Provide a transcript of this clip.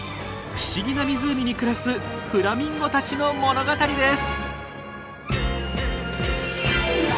不思議な湖に暮らすフラミンゴたちの物語です！